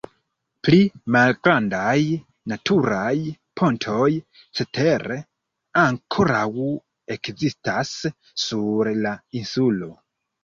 Pli malgrandaj naturaj pontoj cetere ankoraŭ ekzistas sur la insulo.